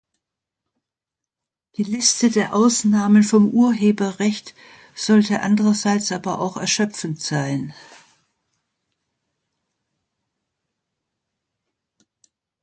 Die Liste der Ausnahmen vom Urheberrecht sollte andererseits aber auch erschöpfend sein.